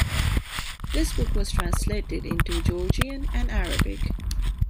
This book was translated into Georgian and Arabic.